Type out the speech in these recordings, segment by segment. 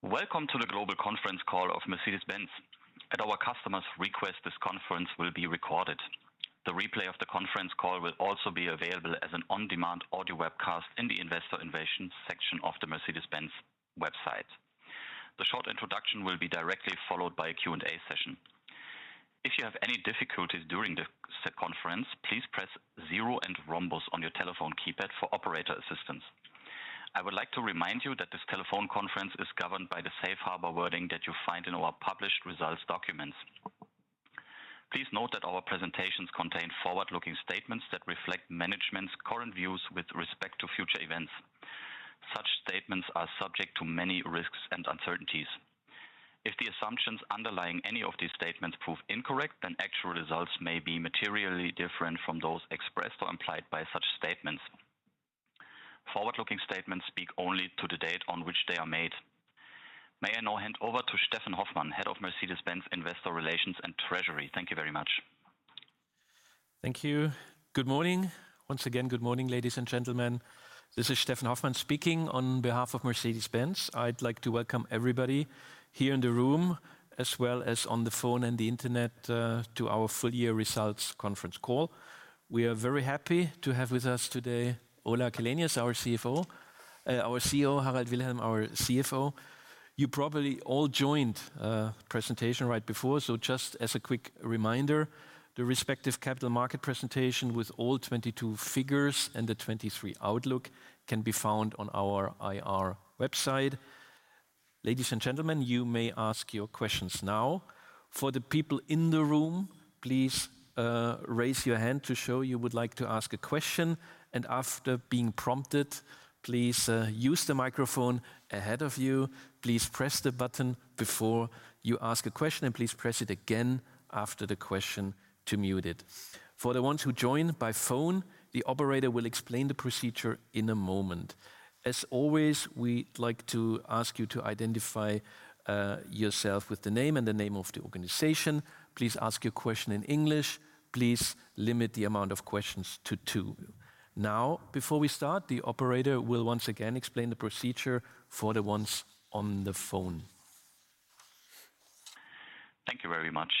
Welcome to the global conference call of Mercedes-Benz. At our customers' request, this conference will be recorded. The replay of the conference call will also be available as an on-demand audio webcast in the Investor Innovation section of the Mercedes-Benz website. The short introduction will be directly followed by a Q&A session. If you have any difficulties during the conference, please press zero and rhombus on your telephone keypad for operator assistance. I would like to remind you that this telephone conference is governed by the safe harbor wording that you find in our published results documents. Please note that our presentations contain forward-looking statements that reflect management's current views with respect to future events. Such statements are subject to many risks and uncertainties. If the assumptions underlying any of these statements prove incorrect, actual results may be materially different from those expressed or implied by such statements. Forward-looking statements speak only to the date on which they are made. May I now hand over to Steffen Hoffmann, Head of Mercedes-Benz Investor Relations and Treasury. Thank you very much. Thank you. Good morning. Once again, good morning, ladies and gentlemen. This is Steffen Hoffmann speaking on behalf of Mercedes-Benz. I'd like to welcome everybody here in the room, as well as on the phone and the internet, to our full year results conference call. We are very happy to have with us today Ola Källenius, our CEO, Harald Wilhelm, our CFO. You probably all joined a presentation right before. Just as a quick reminder, the respective capital market presentation with all 22 figures and the 23 outlook can be found on our IR website. Ladies and gentlemen, you may ask your questions now. For the people in the room, please raise your hand to show you would like to ask a question. After being prompted, please use the microphone ahead of you. Please press the button before you ask a question, and please press it again after the question to mute it. For the ones who joined by phone, the operator will explain the procedure in a moment. As always, we like to ask you to identify yourself with the name and the name of the organization. Please ask your question in English. Please limit the amount of questions to two. Before we start, the operator will once again explain the procedure for the ones on the phone. Thank you very much.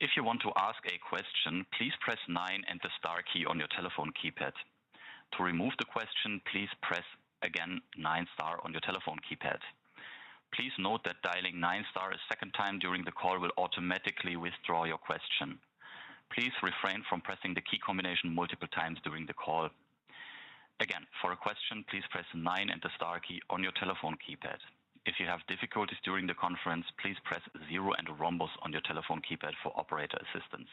If you want to ask a question, please press nine and the star key on your telephone keypad. To remove the question, please press again nine star on your telephone keypad. Please note that dialing nine star a second time during the call will automatically withdraw your question. Please refrain from pressing the key combination multiple times during the call. Again, for a question, please press nine and the star key on your telephone keypad. If you have difficulties during the conference, please press zero and rhombus on your telephone keypad for operator assistance.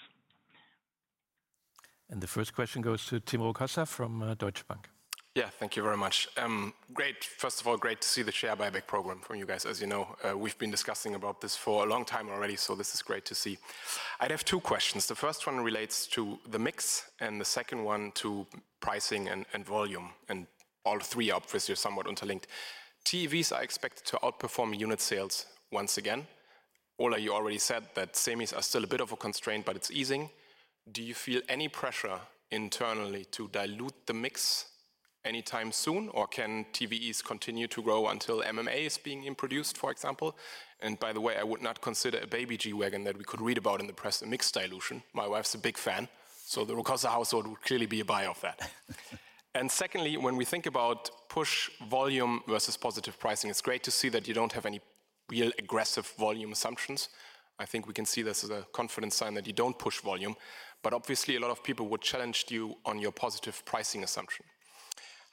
The first question goes to Tim Rokossa from Deutsche Bank. Yeah. Thank you very much. First of all, great to see the share buyback program from you guys. As you know, we've been discussing about this for a long time already, so this is great to see. I'd have two questions. The first one relates to the mix, and the second one to pricing and volume, and all three obviously are somewhat interlinked. TVs are expected to outperform unit sales once again. Ola, you already said that CMIs are still a bit of a constraint, but it's easing. Do you feel any pressure internally to dilute the mix anytime soon, or can xEVs continue to grow until MMA is being introduced, for example? By the way, I would not consider a baby G-Wagen that we could read about in the press a mix dilution. My wife's a big fan, the Rokossa household would clearly be a buyer of that. Secondly, when we think about push volume versus positive pricing, it's great to see that you don't have any real aggressive volume assumptions. I think we can see this as a confidence sign that you don't push volume. Obviously a lot of people would challenge you on your positive pricing assumption.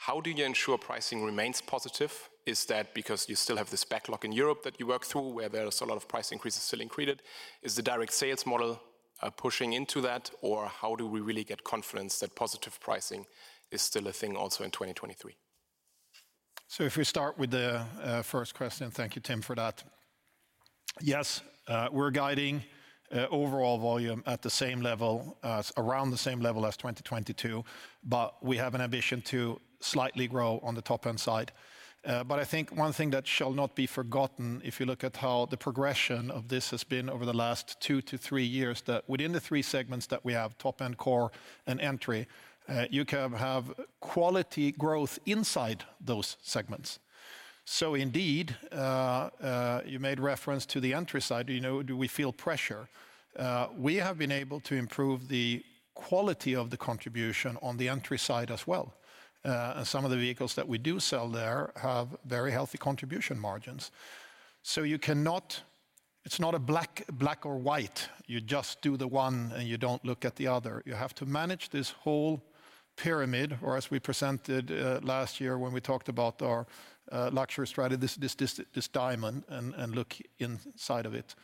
How do you ensure pricing remains positive? Is that because you still have this backlog in Europe that you work through, where there is a lot of price increases still included? Is the direct sales model pushing into that, or how do we really get confidence that positive pricing is still a thing also in 2023? If we start with the first question, thank you, Tim, for that. Yes, we're guiding overall volume around the same level as 2022, but we have an ambition to slightly grow on the Top-End side. I think one thing that shall not be forgotten, if you look at how the progression of this has been over the last two to three years, that within the three segments that we have, Top-End, Core, and Entry, you can have quality growth inside those segments. Indeed, you made reference to the Entry side. Do you know, do we feel pressure? We have been able to improve the quality of the contribution on the Entry side as well. some of the vehicles that we do sell there have very healthy contribution margins. you cannot... It's not a black or white. You just do the one, and you don't look at the other. You have to manage this whole pyramid, or as we presented, last year when we talked about our luxury strategy, this diamond and look inside of it.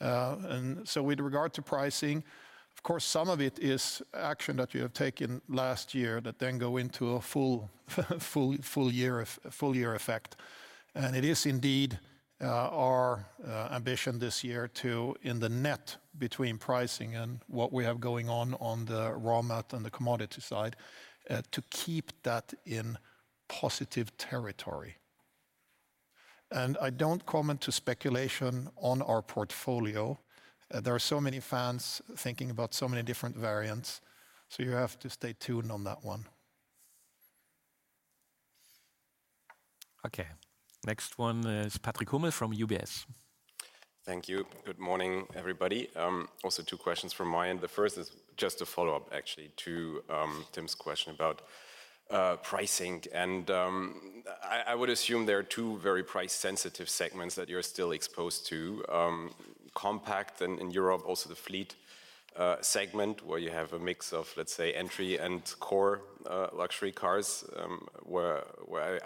With regard to pricing, of course, some of it is action that we have taken last year that then go into a full-year effect. It is indeed, our ambition this year to, in the net between pricing and what we have going on on the raw mat and the commodity side, to keep that in positive territory.I don't comment to speculation on our portfolio. There are so many fans thinking about so many different variants, so you have to stay tuned on that one. Okay. Next one is Patrick Hummel from UBS. Thank you. Good morning, everybody. Also two questions from my end. The first is just a follow-up actually to Tim's question about pricing. I would assume there are two very price-sensitive segments that you're still exposed to compact and in Europe also the fleet segment, where you have a mix of, let's say, Entry and Core Luxury cars, where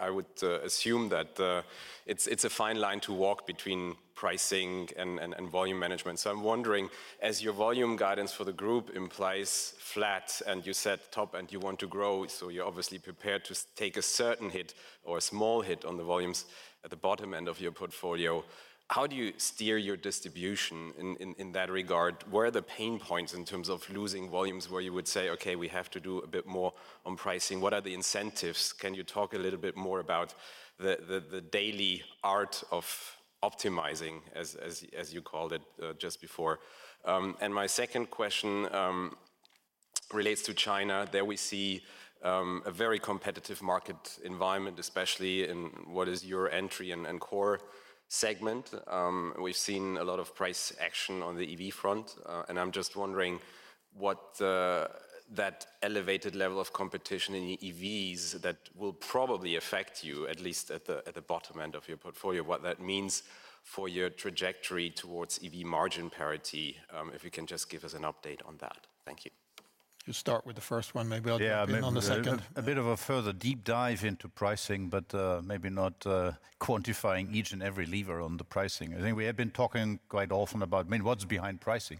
I would assume that it's a fine line to walk between pricing and volume management. I'm wondering, as your volume guidance for the group implies flat and you set top and you want to grow, you're obviously prepared to take a certain hit or a small hit on the volumes at the bottom end of your portfolio, how do you steer your distribution in that regard? Where are the pain points in terms of losing volumes, where you would say, "Okay, we have to do a bit more on pricing?" What are the incentives? Can you talk a little bit more about the daily art of optimizing, as you called it, just before? My second question relates to China. There we see a very competitive market environment, especially in what is your entry and core segment. We've seen a lot of price action on the EV front, and I'm just wondering what that elevated level of competition in EVs that will probably affect you, at least at the bottom end of your portfolio, what that means for your trajectory towards EV margin parity, if you can just give us an update on that? Thank you. Just start with the first one. Maybe I'll jump in on the second. Yeah. A bit of a further deep dive into pricing, but maybe not quantifying each and every lever on the pricing. I think we have been talking quite often about, I mean, what's behind pricing.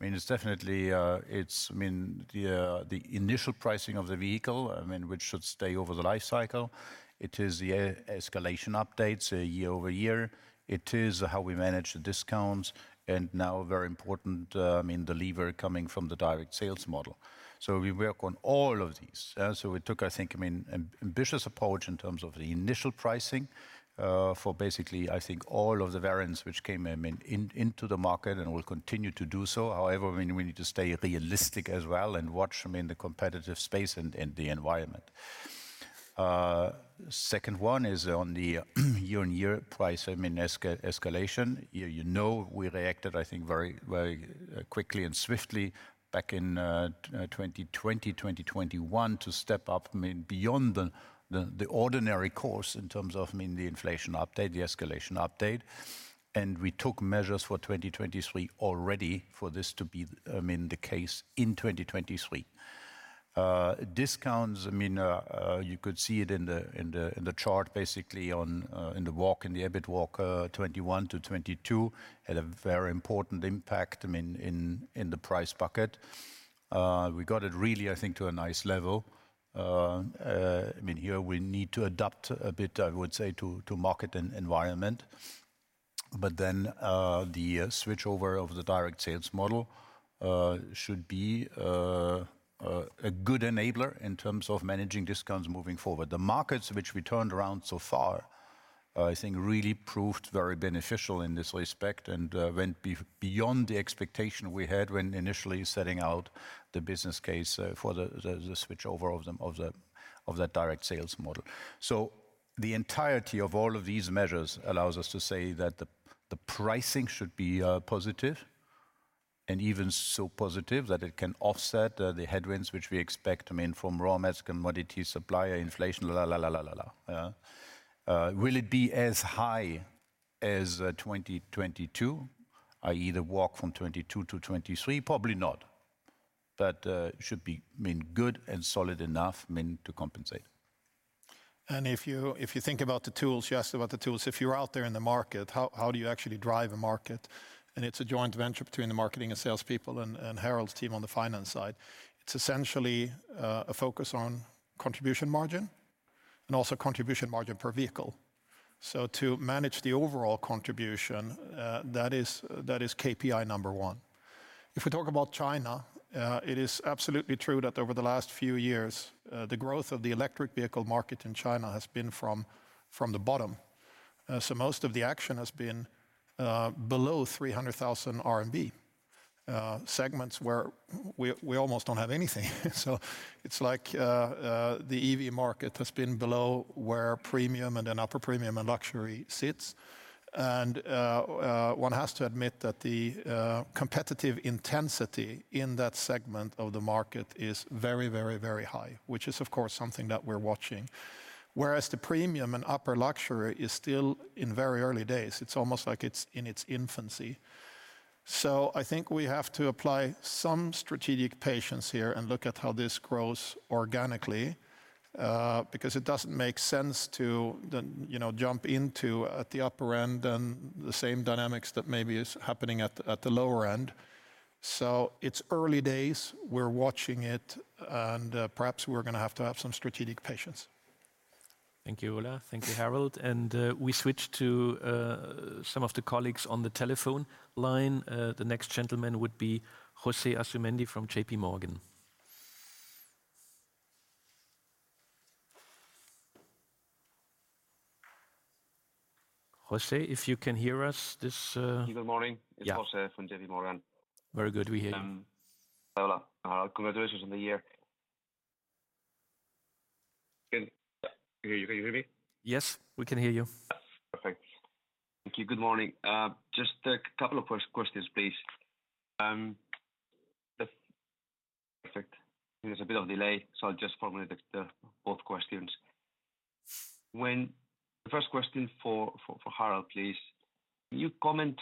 I mean, it's definitely, it's, I mean, the initial pricing of the vehicle, I mean, which should stay over the life cycle. It is the e-escalation updates year-over-year. It is how we manage the discounts, and now very important, I mean, the lever coming from the direct sales model. We work on all of these. We took, I think, I mean, ambitious approach in terms of the initial pricing for basically, I think all of the variants which came, I mean, into the market and will continue to do so. I mean, we need to stay realistic as well and watch, I mean, the competitive space and the environment. Second one is on the year-on-year price, I mean, escalation. You know, we reacted, I think, very, very quickly and swiftly back in 2020, 2021, to step up, I mean, beyond the ordinary course in terms of, I mean, the inflation update, the escalation update, and we took measures for 2023 already for this to be, I mean, the case in 2023. Discounts, I mean, you could see it in the chart basically on in the walk, in the EBIT walk, 2021-2022, had a very important impact, I mean, in the price bucket. We got it really, I think, to a nice level. I mean, here we need to adapt a bit, I would say, to market environment. The switchover of the direct sales model should be a good enabler in terms of managing discounts moving forward. The markets which we turned around so far, I think really proved very beneficial in this respect and went beyond the expectation we had when initially setting out the business case for the switchover of the direct sales model. The entirety of all of these measures allows us to say that the pricing should be positive and even so positive that it can offset the headwinds which we expect, I mean, from raw mats, commodity, supplier, inflation, la, la, la. Will it be as high as 2022, i.e. the walk from 2022-2023? Probably not. should be, I mean, good and solid enough, I mean, to compensate. If you, if you think about the tools, you asked about the tools. If you're out there in the market, how do you actually drive a market? It's a joint venture between the marketing and sales people and Harald's team on the finance side. It's essentially a focus on contribution margin and also contribution margin per vehicle. To manage the overall contribution, that is KPI number one. If we talk about China, it is absolutely true that over the last few years, the growth of the electric vehicle market in China has been from the bottom. Most of the action has been below 300,000 RMB segments where we almost don't have anything. It's like the EV market has been below where premium and then upper premium and luxury sits. One has to admit that the competitive intensity in that segment of the market is very, very, very high, which is of course something that we're watching. Whereas the premium and upper luxury is still in very early days. It's almost like it's in its infancy. I think we have to apply some strategic patience here and look at how this grows organically because it doesn't make sense to then, you know, jump into at the upper end and the same dynamics that maybe is happening at the lower end. It's early days. We're watching it, and perhaps we're gonna have to have some strategic patience. Thank you, Ola. Thank you, Harald. We switch to some of the colleagues on the telephone line. The next gentleman would be José Asumendi from JPMorgan. José, if you can hear us, this... Good morning. Yeah. It's José from JPMorgan. Very good. We hear you. Ola, congratulations on the year. Can you hear me? Yes, we can hear you. Perfect. Thank you. Good morning. Just a couple of questions, please. Perfect. There's a bit of delay, so I'll just formulate the both questions. The first question for Harald Wilhelm, please. Can you comment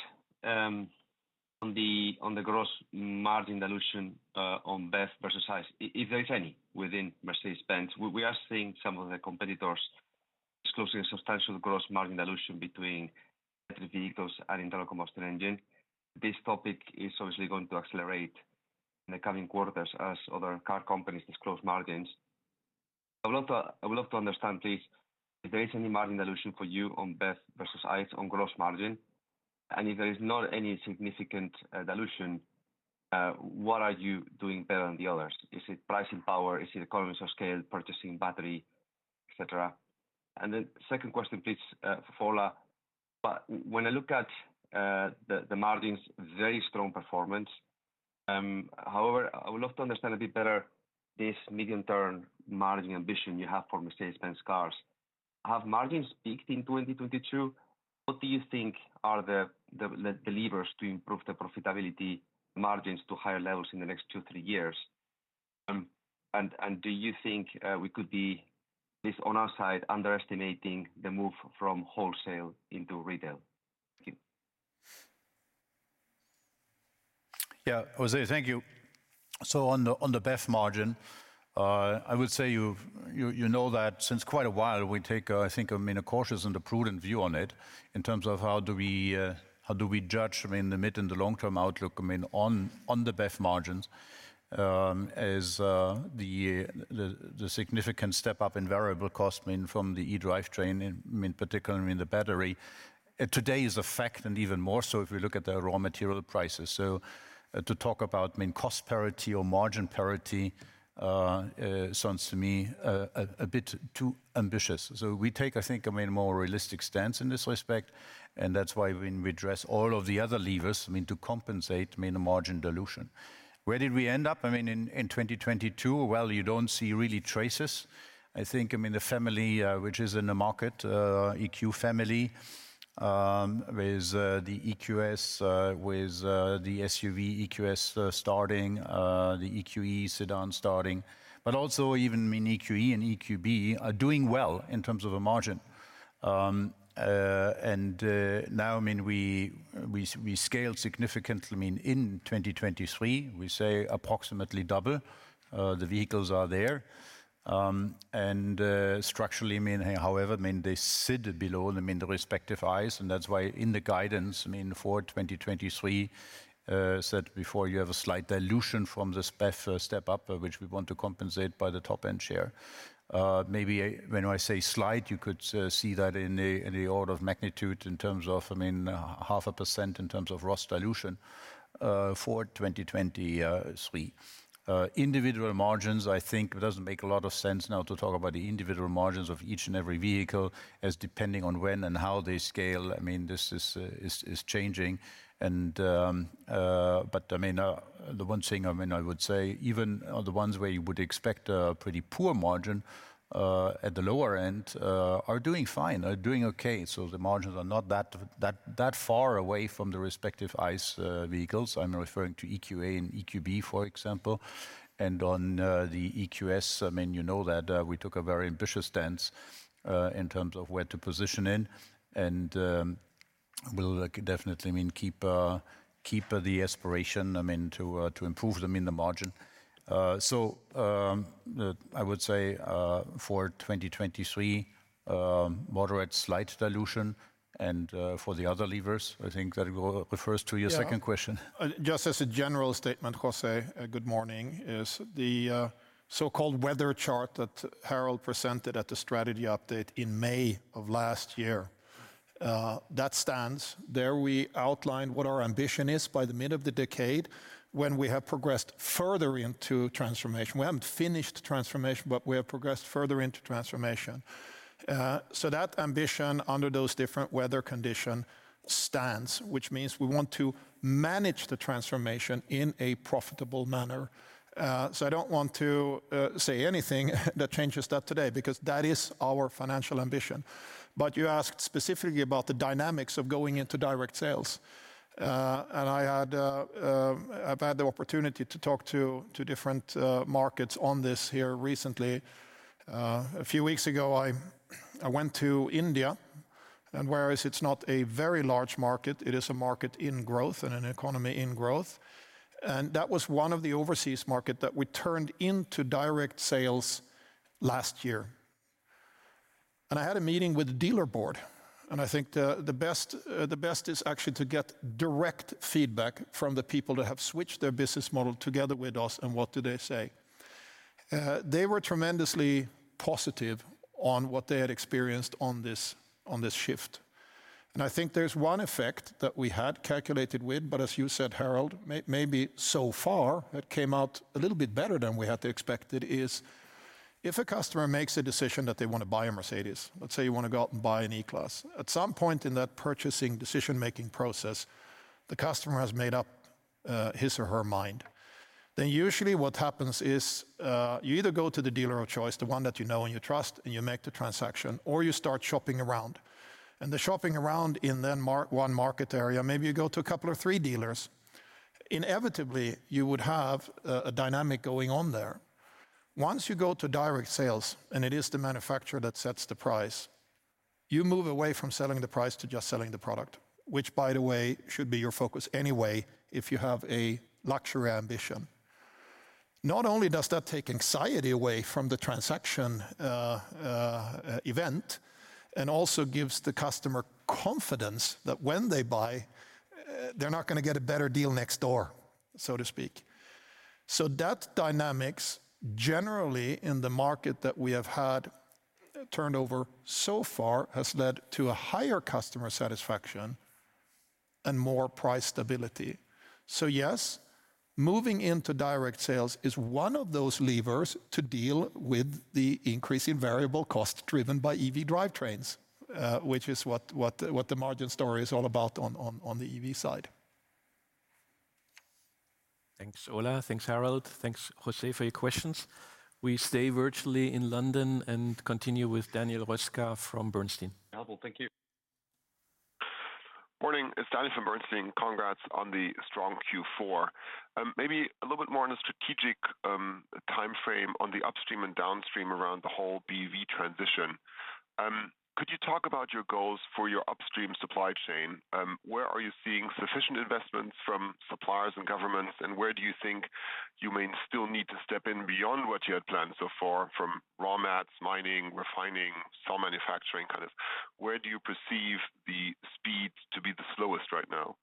on the gross margin dilution on BEV versus ICE, if there is any within Mercedes-Benz? We are seeing some of the competitors disclosing substantial gross margin dilution between electric vehicles and internal combustion engine. This topic is obviously going to accelerate in the coming quarters as other car companies disclose margins. I would love to understand, please, if there is any margin dilution for you on BEV versus ICE on gross margin, and if there is not any significant dilution, what are you doing better than the others? Is it pricing power? Is it economies of scale, purchasing battery, et cetera? Second question, please, for Ola. When I look at the margins, very strong performance. However, I would love to understand a bit better this medium-term margin ambition you have for Mercedes-Benz cars. Have margins peaked in 2022? What do you think are the levers to improve the profitability margins to higher levels in the next two, three years? Do you think we could be, at least on our side, underestimating the move from wholesale into retail? Thank you. José, thank you. On the, on the BEV margin, I would say you've, you know that since quite a while, we take a, I think, I mean, a cautious and a prudent view on it in terms of how do we, how do we judge, I mean, the mid and the long-term outlook, I mean, on the BEV margins. As the significant step-up in variable cost, I mean, from the eDrive train, I mean, particularly, I mean, the battery, today is a fact, and even more so if we look at the raw material prices. To talk about, I mean, cost parity or margin parity, sounds to me a bit too ambitious. We take, I think, I mean, a more realistic stance in this respect, and that's why when we address all of the other levers, I mean, to compensate, I mean, the margin dilution. Where did we end up, I mean, in 2022? Well, you don't see really traces. I think, I mean, the family which is in the market, EQ family, with the EQS, with the EQS SUV, starting the EQE sedan starting, but also even, I mean, EQE and EQB are doing well in terms of a margin. Now, I mean, we scale significantly, I mean, in 2023. We say approximately double. The vehicles are there. Structurally, however, they sit below the respective ICE. That's why in the guidance for 2023, said before you have a slight dilution from this BEV step up, which we want to compensate by the Top-End share. Maybe when I say slight, you could see that in the order of magnitude in terms of 0.5% in terms of ROS dilution for 2023. Individual margins, I think it doesn't make a lot of sense now to talk about the individual margins of each and every vehicle as depending on when and how they scale. I mean, this is changing. The one thing, I would say even the ones where you would expect a pretty poor margin at the lower end, are doing okay. The margins are not that far away from the respective ICE vehicles. I'm referring to EQA and EQB, for example. On the EQS, you know that we took a very ambitious stance in terms of where to position in, and we'll definitely keep the aspiration to improve them in the margin. I would say for 2023, moderate slight dilution and for the other levers, I think that will refers to your second question. Yeah. Just as a general statement, José, good morning, is the so-called weather chart that Harald presented at the strategy update in May of last year, that stands. There we outlined what our ambition is by the mid of the decade when we have progressed further into transformation. We haven't finished transformation, but we have progressed further into transformation. That ambition under those different weather condition stands, which means we want to manage the transformation in a profitable manner. I don't want to say anything that changes that today, because that is our financial ambition. You asked specifically about the dynamics of going into direct sales. I've had the opportunity to talk to different markets on this here recently. A few weeks ago, I went to India, whereas it's not a very large market, it is a market in growth and an economy in growth. That was one of the overseas market that we turned into direct sales last year. I had a meeting with the dealer board, and I think the best is actually to get direct feedback from the people that have switched their business model together with us. What do they say? They were tremendously positive on what they had experienced on this, on this shift. I think there's one effect that we had calculated with, but as you said, Harald, maybe so far it came out a little bit better than we had expected, is if a customer makes a decision that they want to buy a Mercedes, let's say you want to go out and buy an E-Class. At some point in that purchasing decision-making process, the customer has made up his or her mind. Usually what happens is, you either go to the dealer of choice, the one that you know and you trust, and you make the transaction, or you start shopping around. The shopping around in then one market area, maybe you go to a couple or three dealers. Inevitably, you would have a dynamic going on there. Once you go to direct sales, and it is the manufacturer that sets the price, you move away from selling the price to just selling the product, which, by the way, should be your focus anyway if you have a luxury ambition. Not only does that take anxiety away from the transaction, event, and also gives the customer confidence that when they buy, they're not gonna get a better deal next door, so to speak. That dynamics, generally in the market that we have had turned over so far, has led to a higher customer satisfaction and more price stability. Yes, moving into direct sales is one of those levers to deal with the increase in variable cost driven by EV drivetrains, which is what the margin story is all about on the EV side. Thanks, Ola. Thanks, Harald. Thanks, José, for your questions. We stay virtually in London and continue with Daniel Roeska from Bernstein. Thank you. Morning. It's Daniel from Bernstein. Congrats on the strong Q4. Maybe a little bit more on a strategic timeframe on the upstream and downstream around the whole BEV transition. Could you talk about your goals for your upstream supply chain? Where are you seeing sufficient investments from suppliers and governments, and where do you think you may still need to step in beyond what you had planned so far from raw mats, mining, refining, cell manufacturing, kind of where do you perceive the speed to be the slowest right now?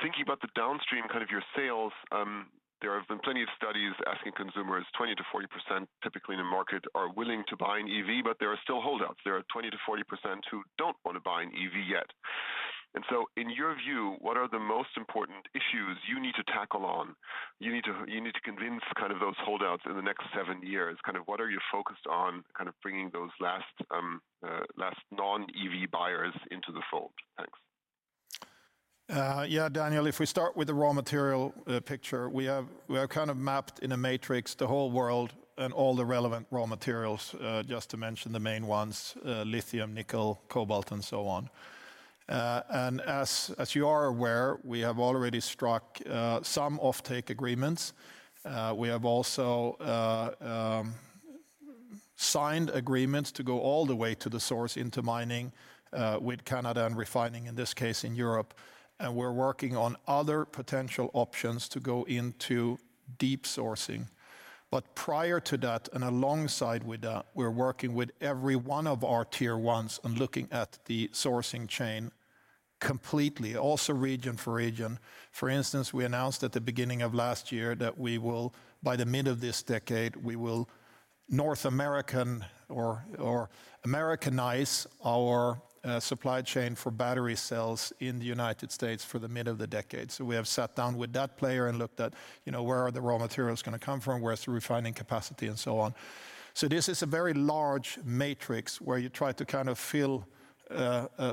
Thinking about the downstream, kind of your sales, there have been plenty of studies asking consumers, 20%-40%, typically in the market are willing to buy an EV, but there are still holdouts. There are 20% -40% who don't want to buy an EV yet. In your view, what are the most important issues you need to tackle on? You need to convince kind of those holdouts in the next seven years. Kind of what are you focused on, kind of bringing those last non-EV buyers into the fold? Thanks. Yeah, Daniel, if we start with the raw material picture, we have kind of mapped in a matrix the whole world and all the relevant raw materials, just to mention the main ones, lithium, nickel, cobalt, and so on. As you are aware, we have already struck some offtake agreements. We have also signed agreements to go all the way to the source into mining with Canada and refining, in this case, in Europe. We're working on other potential options to go into deep sourcing. Prior to that and alongside with that, we're working with every one of our tier ones and looking at the sourcing chain completely, also region for region. For instance, we announced at the beginning of last year that we will, by the mid of this decade, we will North American or Americanize our supply chain for battery cells in the United States for the mid of the decade. We have sat down with that player and looked at, you know, where are the raw materials gonna come from, where's the refining capacity, and so on. This is a very large matrix where you try to kind of fill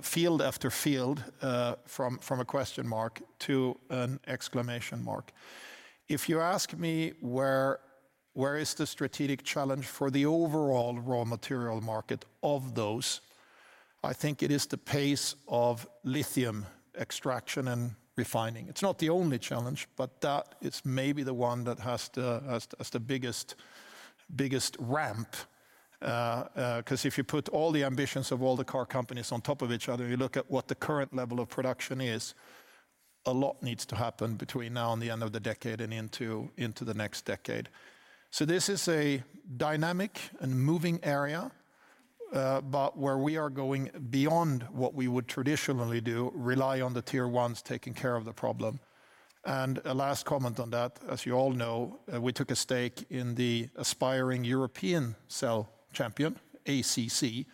field after field from a question mark to an exclamation mark. If you ask me where is the strategic challenge for the overall raw material market of those, I think it is the pace of lithium extraction and refining. It's not the only challenge, but that is maybe the one that has the, has the biggest ramp. 'Cause if you put all the ambitions of all the car companies on top of each other, you look at what the current level of production is, a lot needs to happen between now and the end of the decade and into the next decade. This is a dynamic and moving area, but where we are going beyond what we would traditionally do, rely on the tier ones taking care of the problem. A last comment on that, as you all know, we took a stake in the aspiring European cell champion, ACC.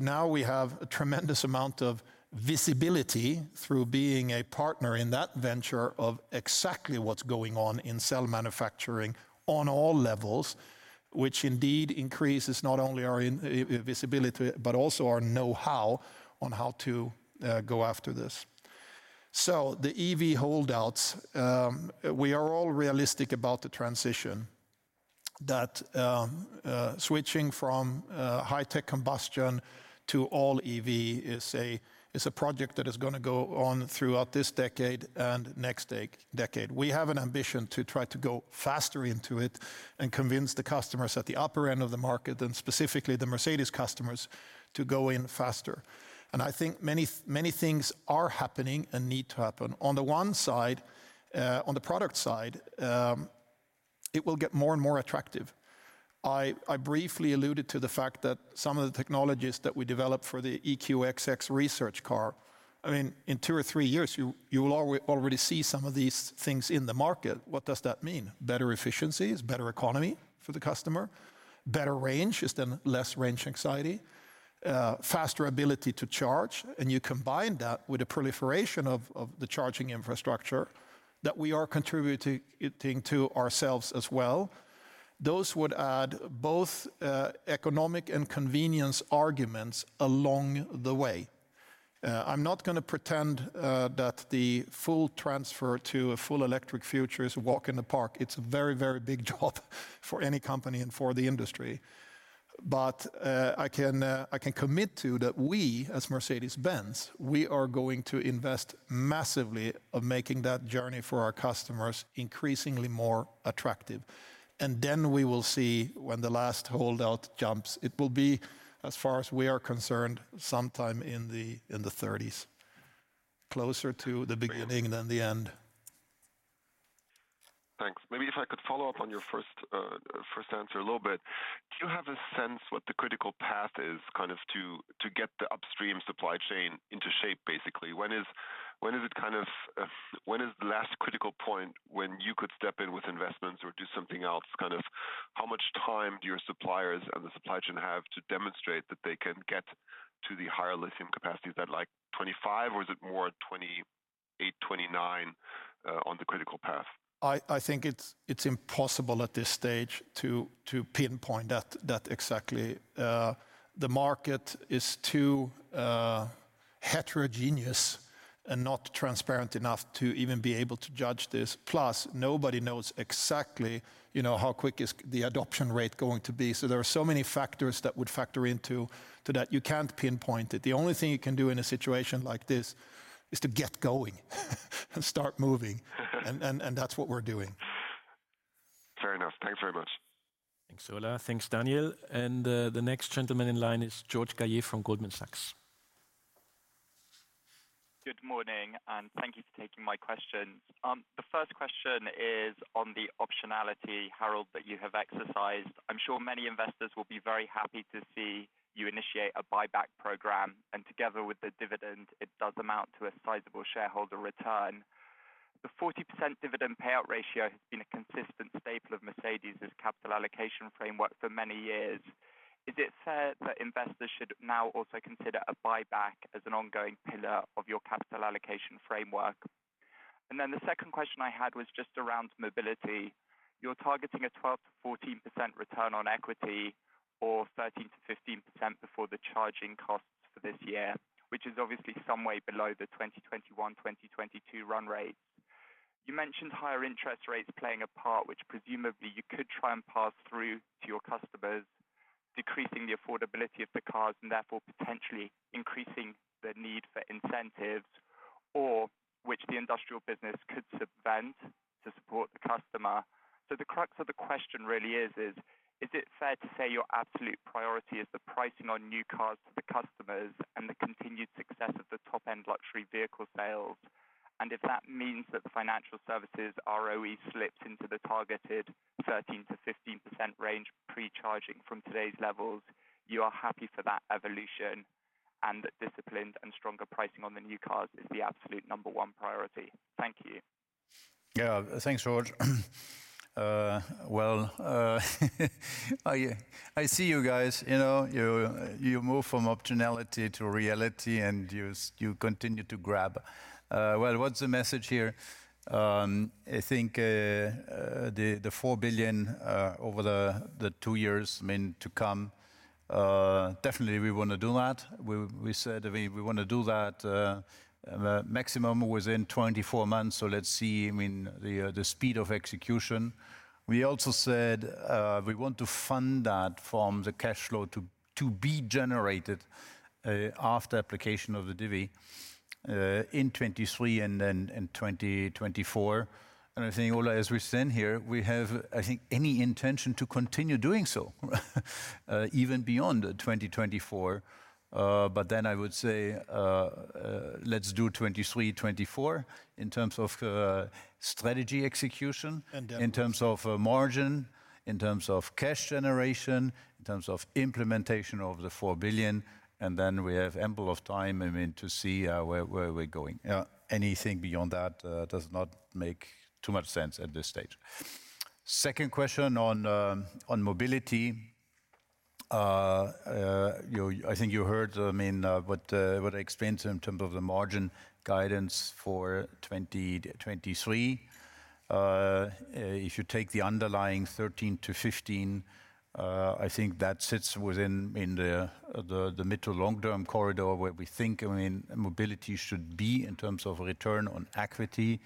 Now we have a tremendous amount of visibility through being a partner in that venture of exactly what's going on in cell manufacturing on all levels, which indeed increases not only our visibility, but also our know-how on how to go after this. The EV holdouts, we are all realistic about the transition that switching from high-tech combustion to all EV is a, is a project that is gonna go on throughout this decade and next decade. We have an ambition to try to go faster into it and convince the customers at the upper end of the market, and specifically the Mercedes customers, to go in faster. I think many many things are happening and need to happen. On the one side, on the product side, it will get more and more attractive. I briefly alluded to the fact that some of the technologies that we developed for the EQXX research car, I mean, in two or three years, you will already see some of these things in the market. What does that mean? Better efficiency is better economy for the customer. Better range is then less range anxiety. Faster ability to charge, and you combine that with the proliferation of the charging infrastructure that we are contributing it in to ourselves as well. Those would add both economic and convenience arguments along the way. I'm not gonna pretend that the full transfer to a full electric future is a walk in the park. It's a very, very big job for any company and for the industry. I can commit to that we, as Mercedes-Benz, are going to invest massively of making that journey for our customers increasingly more attractive. And then we will see when the last holdout jumps. It will be, as far as we are concerned, sometime in the, in the 30s, closer to the beginning than the end. Thanks. Maybe if I could follow up on your first answer a little. Do you have a sense what the critical path is kind of to get the upstream supply chain into shape, basically? When is it kind of... When is the last critical point when you could step in with investments or do something else, kind of how much time do your suppliers and the supply chain have to demonstrate that they can get to the higher lithium capacity? Is that like 2025, or is it more at 2028, 2029 on the critical path? I think it's impossible at this stage to pinpoint that exactly. The market is too heterogeneous and not transparent enough to even be able to judge this. Plus, nobody knows exactly, you know, how quick is the adoption rate going to be. There are so many factors that would factor into that. You can't pinpoint it. The only thing you can do in a situation like this is to get going, and start moving. That's what we're doing. Fair enough. Thanks very much. Thanks, Ola. Thanks, Daniel. The next gentleman in line is George Galliers from Goldman Sachs. Good morning, thank you for taking my questions. The first question is on the optionality, Harald, that you have exercised. I'm sure many investors will be very happy to see you initiate a buyback program, together with the dividend, it does amount to a sizable shareholder return. The 40% dividend payout ratio has been a consistent staple of Mercedes's capital allocation framework for many years. Is it fair that investors should now also consider a buyback as an ongoing pillar of your capital allocation framework? The second question I had was just around mobility. You're targeting a 12%-14% return on equity or 13%-15% before the charging costs for this year, which is obviously some way below the 2021/2022 run rate. You mentioned higher interest rates playing a part which presumably you could try and pass through to your customers, decreasing the affordability of the cars, and therefore potentially increasing the need for incentives, or which the industrial business could suspend to support the customer. The crux of the question really is it fair to say your absolute priority is the pricing on new cars to the customers and the continued success of the Top-End Luxury vehicle sales? If that means that the financial services ROE slips into the targeted 13%-15% range pre-charging from today's levels, you are happy for that evolution. That disciplined and stronger pricing on the new cars is the absolute number one priority. Thank you. Yeah. Thanks, George. Well, I see you guys. You know, you move from optionality to reality, and you continue to grab. Well, what's the message here? I think, the 4 billion over the two years meant to come, definitely we wanna do that. We said we wanna do that, maximum within 24 months. Let's see, I mean, the speed of execution. We also said, we want to fund that from the cash flow to be generated, after application of the divvy, in 2023 and then in 2024. I think, Ola, as we stand here, we have, I think, any intention to continue doing so, even beyond 2024. I would say, let's do 2023, 2024 in terms of strategy execution. And then- in terms of margin, in terms of cash generation, in terms of implementation of the 4 billion, and then we have ample of time, I mean, to see where we're going. Anything beyond that does not make too much sense at this stage. Second question on mobility. I think you heard, I mean, what I explained in terms of the margin guidance for 2023. If you take the underlying 13%-15%, I think that sits within the mid to long-term corridor where we think, I mean, mobility should be in terms of return on equity.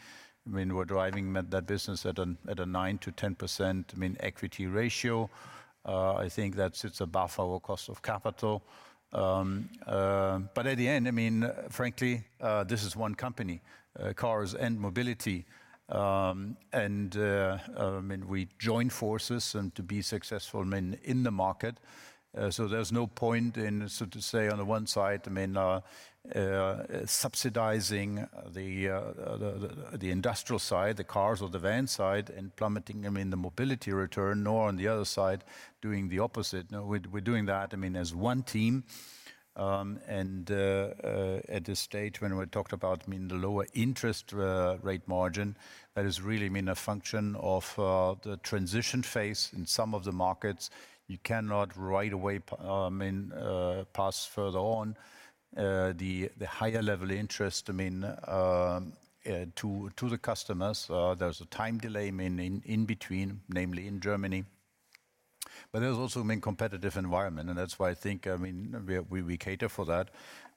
I mean, we're driving that business at a 9%-10%, I mean, equity ratio. I think that sits above our cost of capital. At the end, I mean, frankly, this is one company, cars and mobility. I mean, we join forces and to be successful, I mean, in the market. There's no point in, so to say, on the one side, I mean, subsidizing the industrial side, the cars or the van side, and plummeting, I mean, the mobility return, nor on the other side, doing the opposite. No, we're doing that, I mean, as one team. At this stage, when we talked about, I mean, the lower interest rate margin, that is really, I mean, a function of the transition phase in some of the markets. You cannot right away I mean, pass further on the higher level interest, I mean, to the customers. There's a time delay, I mean, in between, namely in Germany. There's also a competitive environment, and that's why I think, I mean, we cater for that.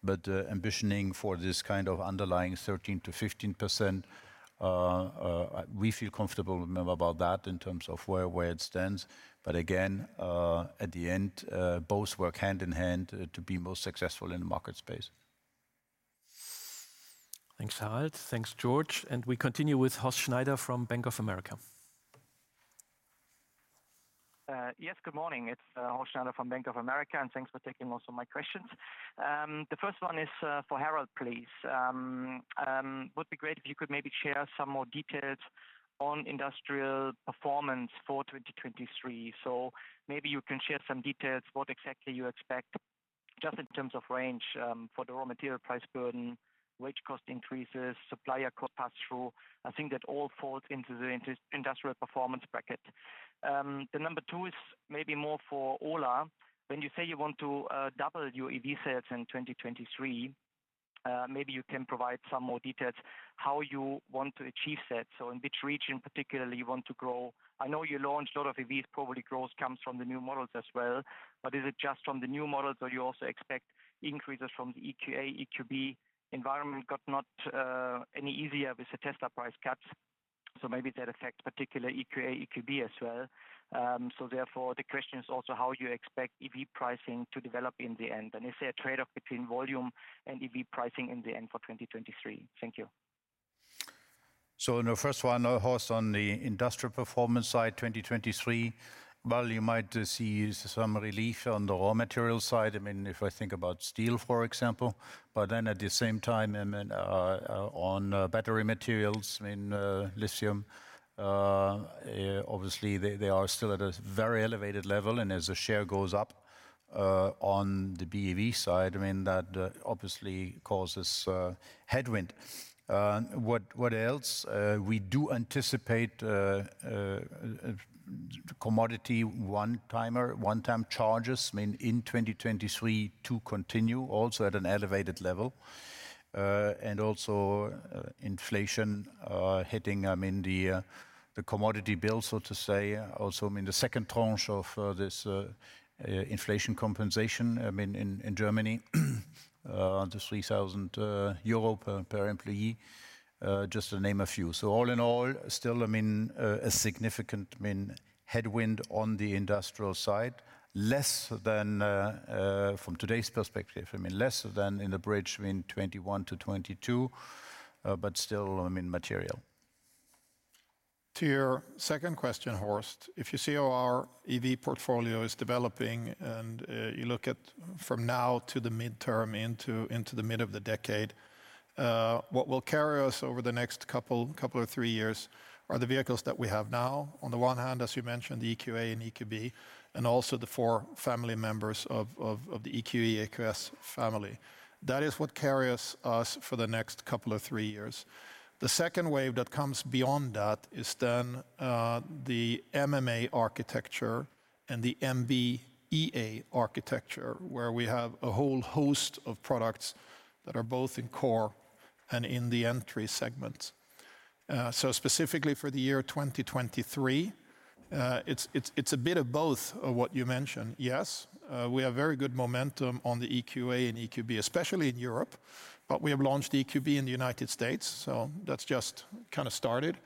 Ambitioning for this kind of underlying 13%-15%, we feel comfortable about that in terms of where it stands. Again, at the end, both work hand in hand to be most successful in the market space. Thanks, Harald. Thanks, George. We continue with Horst Schneider from Bank of America Yes, good morning. It's Horst Schneider from Bank of America, and thanks for taking most of my questions. The first one is for Harald, please. Would be great if you could maybe share some more details on industrial performance for 2023. Maybe you can share some details what exactly you expect just in terms of range for the raw material price burden, wage cost increases, supplier cost pass-through. I think that all falls into the industrial performance bracket. The number two is maybe more for Ola. When you say you want to double your EV sales in 2023, maybe you can provide some more details how you want to achieve that. In which region particularly you want to grow. I know you launched a lot of EVs, probably growth comes from the new models as well. Is it just from the new models or you also expect increases from the EQA, EQB environment got not any easier with the Tesla price cuts, so maybe that affects particular EQA, EQB as well? Therefore, the question is also how you expect EV pricing to develop in the end, and is there a trade-off between volume and EV pricing in the end for 2023? Thank you. The first one, Horst, on the industrial performance side, 2023, well, you might see some relief on the raw material side. I mean, if I think about steel, for example. At the same time, I mean, on battery materials, I mean, lithium, obviously they are still at a very elevated level. As the share goes up on the BEV side, I mean, that obviously causes headwind. What else? We do anticipate commodity one-time charges, I mean, in 2023 to continue also at an elevated level. Also, inflation hitting, I mean, the commodity bill, so to say. I mean, the second tranche of this inflation compensation, I mean, in Germany, the 3,000 euro per employee, just to name a few. All in all, still, I mean, a significant, I mean, headwind on the industrial side, less than from today's perspective, I mean, less than in the bridge, I mean, 2021 to 2022, but still, I mean, material. To your second question, Horst, if you see how our EV portfolio is developing and you look at from now to the midterm into the mid of the decade, what will carry us over the next couple or three years are the vehicles that we have now. On the one hand, as you mentioned, the EQA and EQB, and also the four family members of the EQE, EQS family. That is what carry us for the next couple or three years. The second wave that comes beyond that is then the MMA architecture and the MBEA architecture, where we have a whole host of products that are both in Core and in the Entry segments. Specifically for the year 2023, it's a bit of both of what you mentioned. Yes, we have very good momentum on the EQA and EQB, especially in Europe, but we have launched EQB in the United States, so that's just kind of started.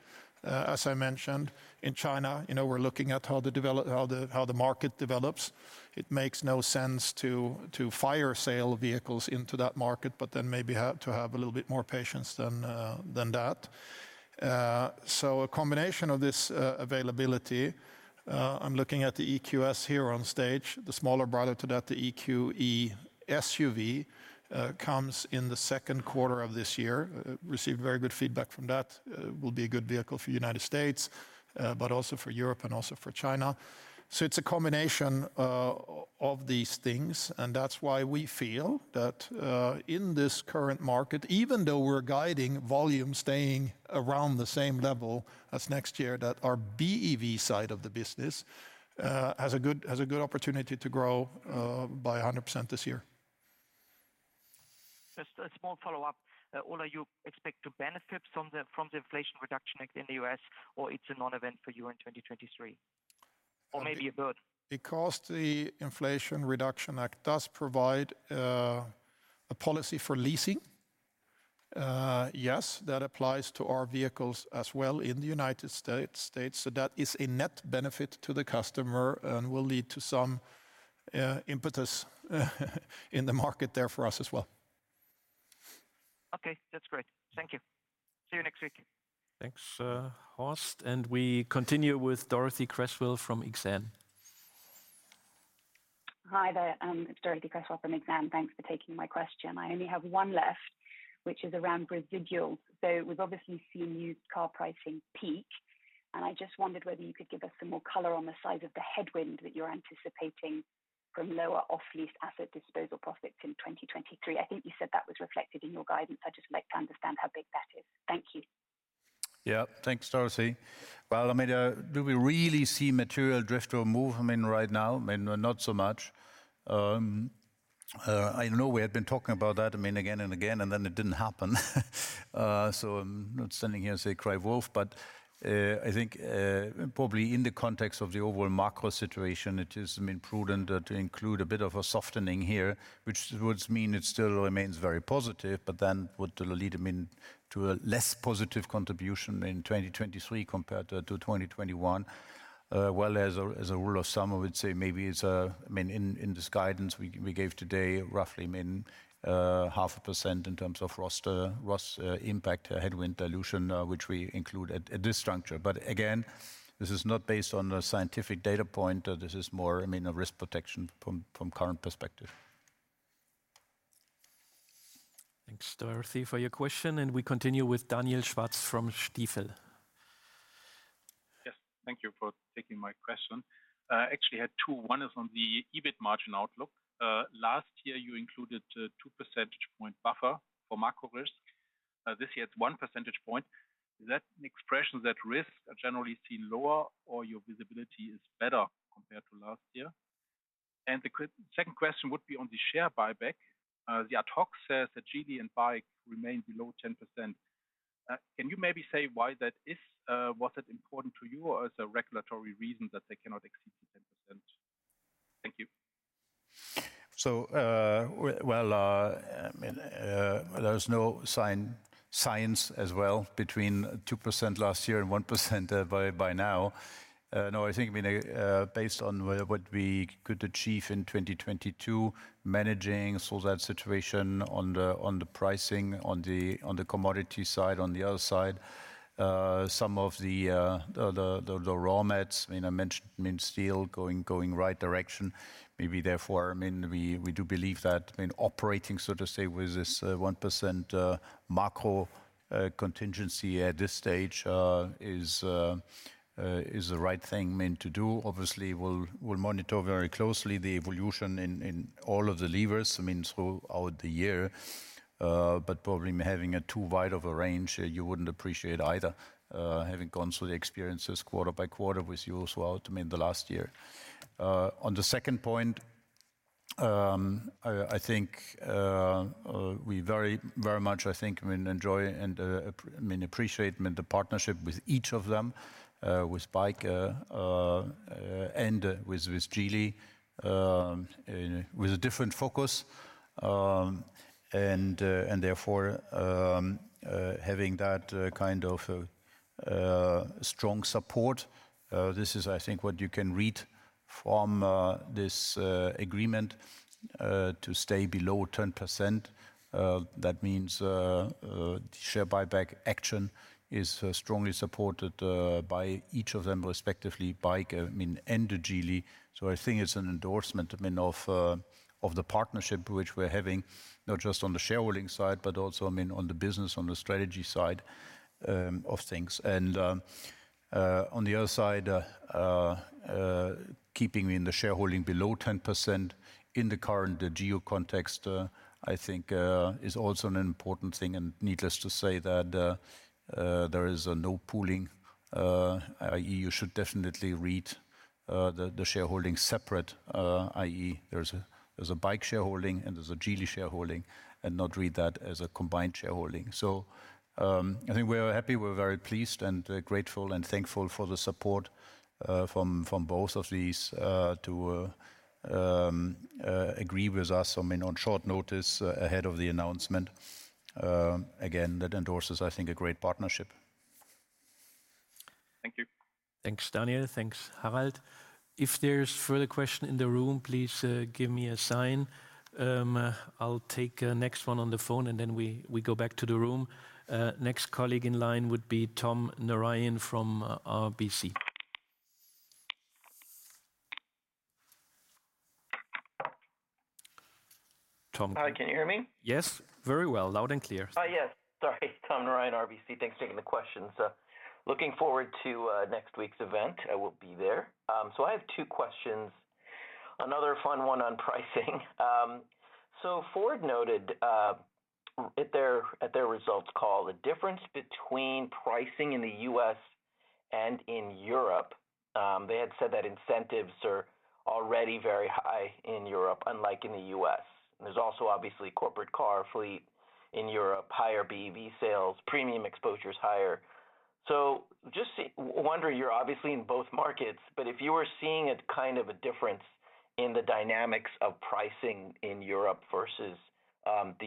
As I mentioned, in China, you know, we're looking at how the market develops. It makes no sense to fire sale vehicles into that market, but then maybe have to have a little bit more patience than that. A combination of this, availability, I'm looking at the EQS here on stage, the smaller brother to that, the EQE SUV, comes in the second quarter of this year. Received very good feedback from that. Will be a good vehicle for the United States, but also for Europe and also for China. It's a combination of these things, and that's why we feel that in this current market, even though we're guiding volume staying around the same level as next year, that our BEV side of the business has a good opportunity to grow by 100% this year. Just a small follow-up. Ola, you expect to benefit from the Inflation Reduction Act in the U.S., or it's a non-event for you in 2023? Or maybe a bit. The Inflation Reduction Act does provide a policy for leasing, yes, that applies to our vehicles as well in the United States. That is a net benefit to the customer and will lead to some impetus in the market there for us as well. Okay, that's great. Thank you. See you next week. Thanks, Horst. We continue with Dorothee Cresswell from Exane. Hi there. It's Dorothee Cresswell from Exane. Thanks for taking my question. I only have one left, which is around residual. We've obviously seen used car pricing peak, and I just wondered whether you could give us some more color on the size of the headwind that you're anticipating from lower off-lease asset disposal profits in 2023. I think you said that was reflected in your guidance. I'd just like to understand how big that is. Thank you. Yeah. Thanks, Dorothee. Well, I mean, do we really see material drift or movement right now? I mean, not so much. I know we had been talking about that, I mean, again and again, and then it didn't happen. I'm not standing here and say cry wolf, but I think, probably in the context of the overall macro situation, it is, I mean, prudent, to include a bit of a softening here, which would mean it still remains very positive, but then would lead, I mean, to a less positive contribution in 2023 compared to 2021. Well, as a rule of thumb, I would say maybe it's, I mean, in this guidance we gave today, roughly, I mean, half a percent in terms of RoS, loss, impact, headwind dilution, which we include at this juncture. Again, this is not based on a scientific data point. This is more, I mean, a risk protection from current perspective. Thanks, Dorothee, for your question. We continue with Daniel Schwarz from Stifel. Yes. Thank you for taking my question. I actually had two. One is on the EBIT margin outlook. Last year you included two percentage point buffer for macro risk. This year it's one percentage point. Is that an expression that risks are generally seen lower or your visibility is better compared to last year? The second question would be on the share buyback. The ad hoc says that Geely and BAIC remain below 10%. Can you maybe say why that is? Was it important to you or is a regulatory reason that they cannot exceed the 10%? Thank you. Well, I mean, there's no sign, science as well between 2% last year and 1% by now. No, I think, I mean, based on what we could achieve in 2022, managing so that situation on the pricing, on the commodity side. On the other side, some of the raw mats, I mean, I mentioned, I mean, steel going right direction. Therefore, I mean, we do believe that, I mean, operating, so to say, with this 1% macro contingency at this stage is the right thing, I mean, to do. Obviously, we'll monitor very closely the evolution in all of the levers, I mean, throughout the year. Probably having a too wide of a range, you wouldn't appreciate either, having gone through the experiences quarter by quarter with you as well, I mean, the last year. On the second point, I think, we very, very much, I think, I mean, enjoy and, I mean, appreciate, I mean, the partnership with each of them, with BAIC, and with Geely, you know, with a different focus. Therefore, having that kind of strong support, this is, I think, what you can read from this agreement, to stay below 10%. That means, share buyback action is strongly supported by each of them, respectively, BAIC, I mean, and Geely. I think it's an endorsement, I mean, of the partnership which we're having, not just on the shareholding side, but also, I mean, on the business, on the strategy side of things. On the other side, keeping the shareholding below 10% in the current geo context, I think is also an important thing. Needless to say that there is no pooling. You should definitely read the shareholding separate, i.e. there's a BAIC shareholding and there's a Geely shareholding, and not read that as a combined shareholding. I think we are happy. We're very pleased and grateful and thankful for the support from both of these to agree with us, I mean, on short notice ahead of the announcement. Again, that endorses, I think, a great partnership. Thank you. Thanks, Daniel. Thanks, Harald. If there's further question in the room, please give me a sign. I'll take next one on the phone and then we go back to the room. Next colleague in line would be Tom Narayan from RBC. Tom. Hi, can you hear me? Yes, very well. Loud and clear. Yes. Sorry. Tom Narayan, RBC. Thanks for taking the questions. Looking forward to next week's event. I will be there. I have two questions. Another fun one on pricing. Ford noted at their results call the difference between pricing in the U.S. and in Europe. They had said that incentives are already very high in Europe, unlike in the U.S. There's also obviously corporate car fleet in Europe, higher BEV sales, premium exposure is higher. Just wonder, you're obviously in both markets, but if you are seeing a kind of a difference in the dynamics of pricing in Europe versus the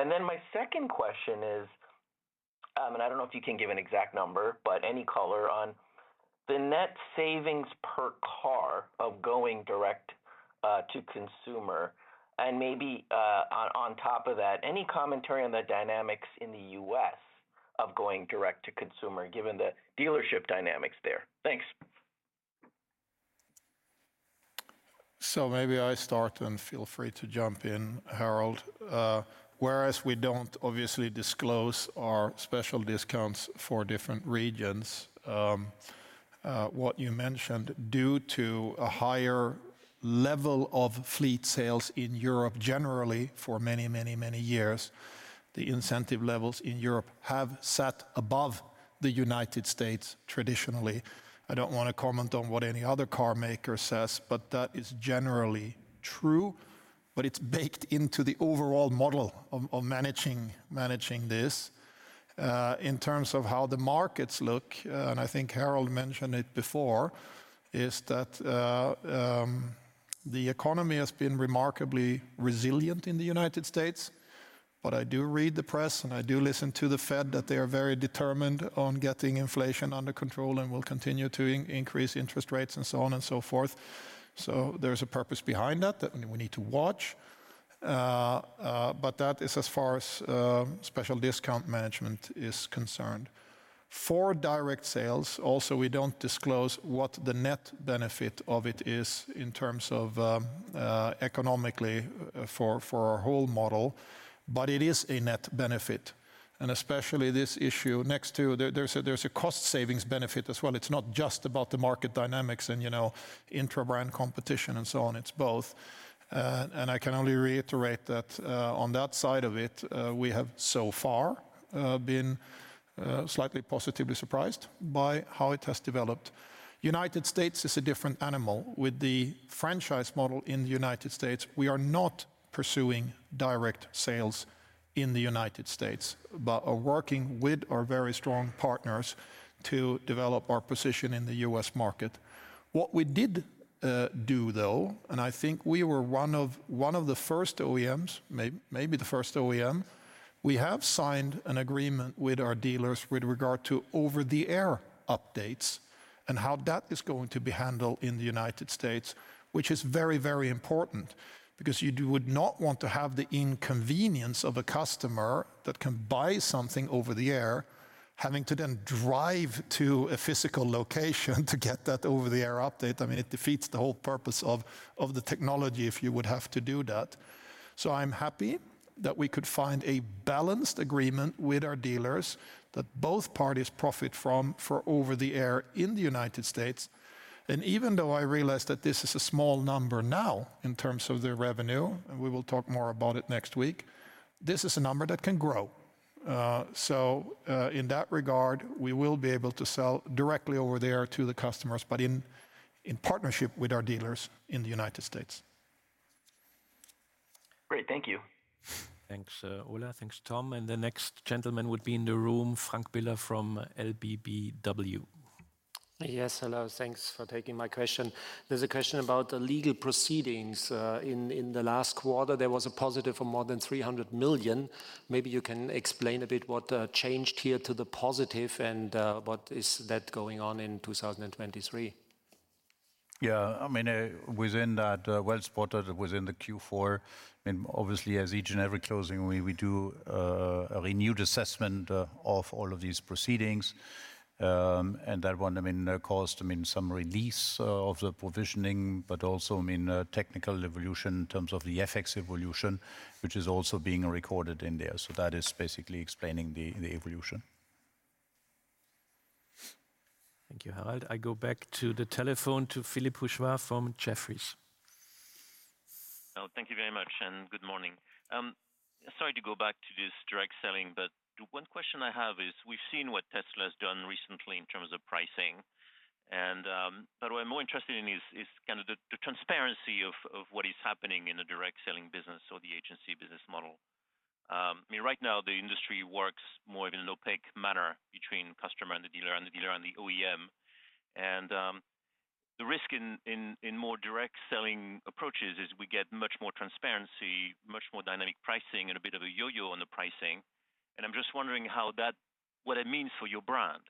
U.S. My second question is, I don't know if you can give an exact number, but any color on the net savings per car of going direct to consumer and maybe, on top of that, any commentary on the dynamics in the U.S. of going direct to consumer, given the dealership dynamics there? Thanks. Maybe I start, and feel free to jump in, Harald. Whereas we don't obviously disclose our special discounts for different regions, what you mentioned, due to a higher level of fleet sales in Europe generally for many, many years, the incentive levels in Europe have sat above the United States traditionally. I don't wanna comment on what any other car maker says, but that is generally true. It's baked into the overall model of managing this. In terms of how the markets look, and I think Harald mentioned it before, is that the economy has been remarkably resilient in the United States. I do read the press, and I do listen to the Fed, that they are very determined on getting inflation under control and will continue to increase interest rates and so on and so forth. There's a purpose behind that, I mean, we need to watch. That is as far as special discount management is concerned. For direct sales, also, we don't disclose what the net benefit of it is in terms of economically for our whole model, but it is a net benefit. Especially this issue. There's a cost savings benefit as well. It's not just about the market dynamics and, you know, intrabrand competition and so on. It's both. I can only reiterate that on that side of it, we have so far been slightly positively surprised by how it has developed. United States is a different animal. With the franchise model in the United States, we are not pursuing direct sales in the United States, but are working with our very strong partners to develop our position in the U.S. market. What we did do, though, and I think we were one of the first OEMs, maybe the first OEM, we have signed an agreement with our dealers with regard to over-the-air updates and how that is going to be handled in the United States, which is very, very important. Because you would not want to have the inconvenience of a customer that can buy something over the air, having to then drive to a physical location to get that over-the-air update. I mean, it defeats the whole purpose of the technology if you would have to do that. I'm happy that we could find a balanced agreement with our dealers that both parties profit from for over-the-air in the United States. Even though I realize that this is a small number now in terms of their revenue, and we will talk more about it next week, this is a number that can grow. In that regard, we will be able to sell directly over there to the customers, but in partnership with our dealers in the United States. Great. Thank you. Thanks, Ola. Thanks, Tom. The next gentleman would be in the room, Frank Biller from LBBW. Yes, hello. Thanks for taking my question. There's a question about legal proceedings. In the last quarter, there was a positive of more than 300 million. Maybe you can explain a bit what changed here to the positive and what is that going on in 2023? Yeah. I mean, within that, well spotted within the Q4, obviously as each and every closing, we do a renewed assessment of all of these proceedings. That one, I mean, caused, I mean, some release of the provisioning, but also, I mean, technical evolution in terms of the FX evolution, which is also being recorded in there. That is basically explaining the evolution. Thank you, Harald. I go back to the telephone to Philippe Houchois from Jefferies. Thank you very much, and good morning. Sorry to go back to this direct selling, but the one question I have is, we've seen what Tesla has done recently in terms of pricing, but what I'm more interested in is kind of the transparency of what is happening in the direct selling business or the Agency Model business model. I mean, right now, the industry works more in an opaque manner between customer and the dealer and the dealer and the OEM. The risk in more direct selling approaches is we get much more transparency, much more dynamic pricing, and a bit of a yo-yo on the pricing. I'm just wondering what it means for your brand.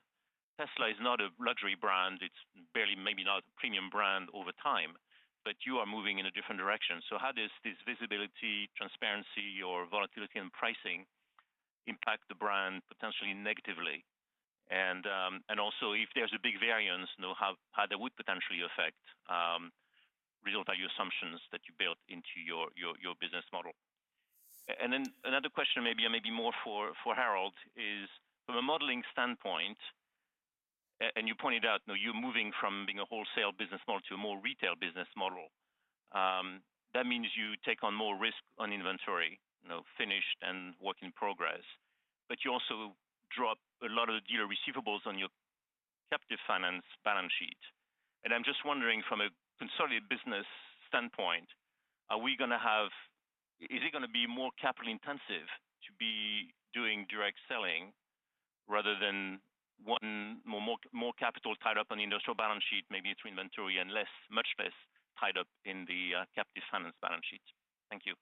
Tesla is not a luxury brand. It's barely maybe not a premium brand over time, but you are moving in a different direction. How does this visibility, transparency, or volatility in pricing impact the brand potentially negatively? Also if there's a big variance, you know, how that would potentially affect result value assumptions that you built into your business model. Then another question more for Harald is, from a modeling standpoint, you pointed out, you know, you're moving from being a wholesale business model to a more retail business model. That means you take on more risk on inventory, you know, finished and work in progress, but you also drop a lot of dealer receivables on your captive finance balance sheet. I'm just wondering, from a consolidated business standpoint, is it gonna be more capital intensive to be doing direct selling rather than one more capital tied up on the industrial balance sheet, maybe it's inventory and less, much less tied up in the captive finance balance sheet? Thank you.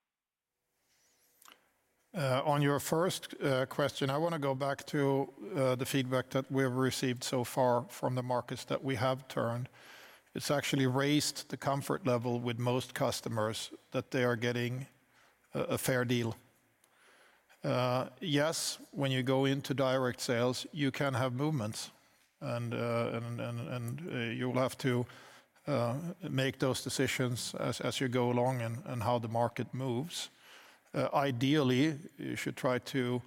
On your first question, I wanna go back to the feedback that we have received so far from the markets that we have turned. It's actually raised the comfort level with most customers that they are getting a fair deal. Yes, when you go into direct sales, you can have movements, and you'll have to make those decisions as you go along and how the market moves. Ideally, you should try to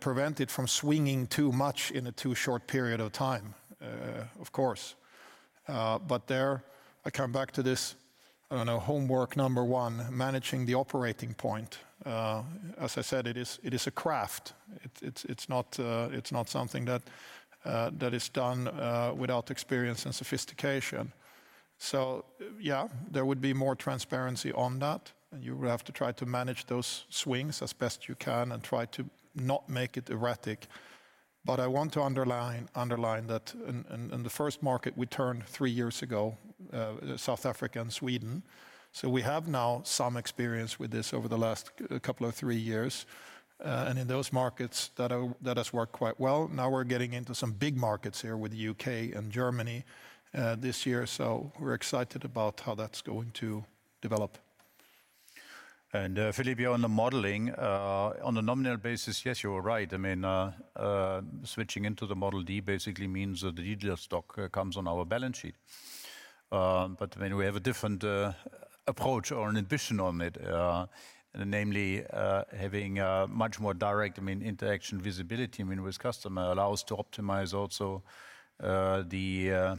prevent it from swinging too much in a too short period of time, of course. There, I come back to this, I don't know, homework number one, managing the operating point. As I said, it is, it is a craft. It's not something that is done without experience and sophistication. So, yeah, there would be more transparency on that, and you would have to try to manage those swings as best you can and try to not make it erratic. I want to underline that in the first market we turned three years ago, South Africa and Sweden. We have now some experience with this over the last couple of three years. In those markets that has worked quite well. Now we're getting into some big markets here with U.K. and Germany, this year, so we're excited about how that's going to develop. Philippe, on the modeling, on a nominal basis, yes, you are right. I mean, switching into the Model D basically means that the dealer stock comes on our balance sheet. But when we have a different approach or an ambition on it, namely, having a much more direct, I mean, interaction visibility, I mean, with customer allows to optimize also the